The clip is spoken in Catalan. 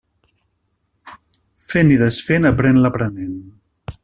Fent i desfent aprén l'aprenent.